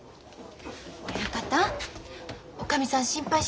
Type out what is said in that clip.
親方おかみさん心配して。